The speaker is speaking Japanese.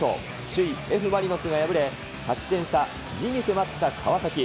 首位Ｆ・マリノスが敗れ、勝ち点差２に迫った川崎。